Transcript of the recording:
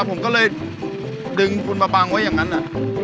ผมก็เลยดึงฟุนประปังไว้อย่างนั้นนะ